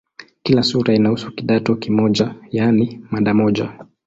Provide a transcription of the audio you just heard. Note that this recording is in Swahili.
Kila sura inahusu "kidato" kimoja, yaani mada moja.